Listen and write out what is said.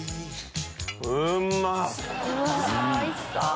うんまっ！